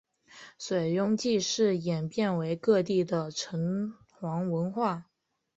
水庸祭祀演变为各地的城隍文化。